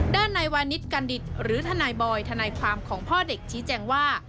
ด้านนายวานิสกันดิตหรือทนายบอยทนายความของพ่อเด็กชี้แจงว่า